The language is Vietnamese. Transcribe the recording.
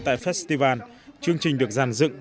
tại festival chương trình được giàn dựng